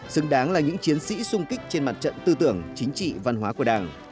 xứng đáng là những chiến sĩ sung kích trên mặt trận tư tưởng chính trị văn hóa của đảng